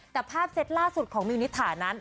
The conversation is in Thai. แต่ภาพเซตล่าสุดของมิวนิษฐานั้น